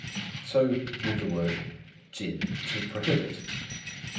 So with the word 禁 "to prohibit."